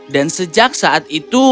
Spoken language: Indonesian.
dan sejak saat itu